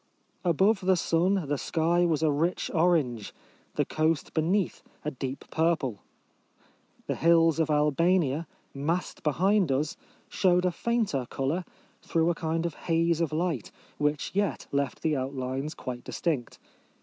Above the sun the sky was a rich orange, the coast beneath a deep purple. The hills of Albania, massed behind us, showed a fainter colour, through a kind of haze of light, which yet left the outlines quite distinct.